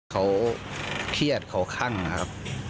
เขาเครียดเขาคั่งนะครับ